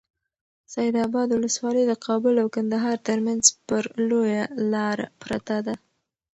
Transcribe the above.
سید اباد ولسوالي د کابل او کندهار ترمنځ پر لویه لاره پرته ده.